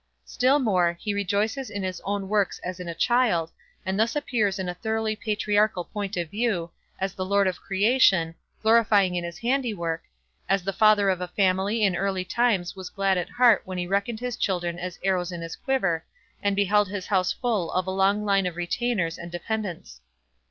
Still more, he rejoices in his own works as in a child, and thus appears in a thoroughly patriarchal point of view, as the Lord of creation, glorying in his handiwork, as the father of a family in early times was glad at heart when he reckoned his children as arrows in his quiver, and beheld his house full of a long line of retainers and dependants.